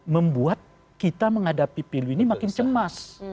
membuat kita menghadapi pilu ini makin cemas